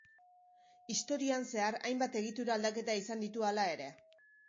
Historian zehar hainbat egitura aldaketa izan ditu hala ere.